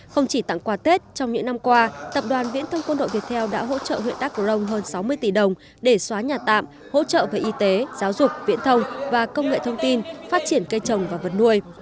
không chỉ tặng quà tết trong những năm qua tập đoàn viễn thông quân đội việt theo đã hỗ trợ huyện đắk cổ rồng hơn sáu mươi tỷ đồng để xóa nhà tạm hỗ trợ về y tế giáo dục viễn thông và công nghệ thông tin phát triển cây trồng và vật nuôi